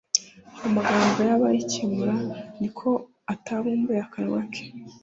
Amagambo Y abayikemura ni ko atabumbuye akanwa ke